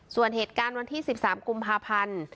ส่วนเหตุการณ์วันที่๑๓กุมภาพันธ์